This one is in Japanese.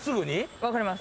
分かります